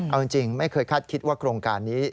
เอาจริงไม่เคยคาดคิดว่าโครงการนี้